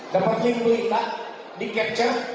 dapat pilih pilih tak di capture